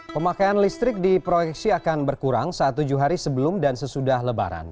pemakaian listrik diproyeksi akan berkurang saat tujuh hari sebelum dan sesudah lebaran